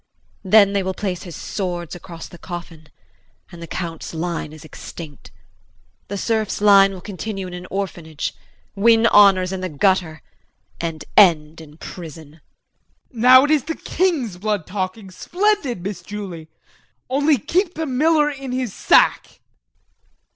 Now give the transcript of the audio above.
Then they will place his swords across the coffin and the Count's line is extinct. The serf's line will continue in an orphanage, win honors in the gutter and end in prison. JEAN. Now it is the king's blood talking. Splendid, Miss Julie! Only keep the miller in his sack.